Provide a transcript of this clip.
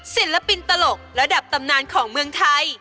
ศิลปินตลกระดับตำนานของเมืองไทย